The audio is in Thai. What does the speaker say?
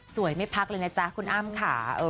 ไม่พักเลยนะจ๊ะคุณอ้ำค่ะ